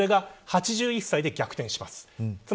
ただこれが８１歳で逆転します。